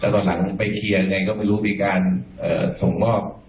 แต่ตอนหลังไปเคลียร์ยังไงก็ไม่รู้มีการส่งมอบ